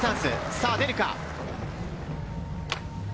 さあ、でるか？